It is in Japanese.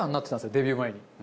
デビュー前に。